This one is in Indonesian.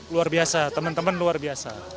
luar biasa teman teman luar biasa